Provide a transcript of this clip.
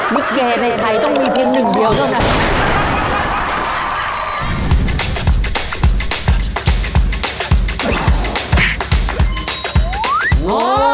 ลิเกในไทยต้องมีเพียงหนึ่งเดียวเท่านั้น